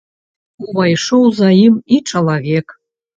Увайшоў за ім і чалавек.